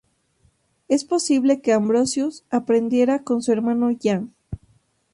Es posible que Ambrosius aprendiera con su hermano Jan.